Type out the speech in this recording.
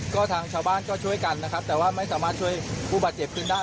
ก็ทางชาวบ้านก็ช่วยกันนะครับแต่ว่าไม่สามารถช่วยผู้บาดเจ็บขึ้นได้